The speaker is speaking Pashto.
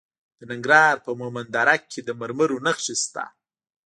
د ننګرهار په مومند دره کې د مرمرو نښې شته.